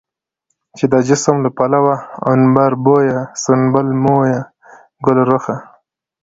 چې د جسم له پلوه عنبربويه، سنبل مويه، ګلرخه،